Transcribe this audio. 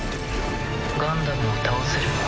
ガンダムを倒せるのは。